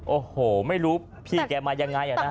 โอ้โหไม่รู้พี่แกมายังไงนะ